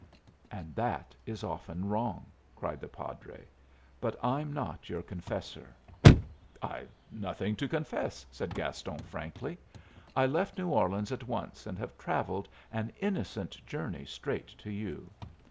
"And that is often wrong!" cried the padre. "But I'm not your confessor." "I've nothing to confess," said Gaston, frankly. "I left New Orleans at once, and have travelled an innocent journey straight to you.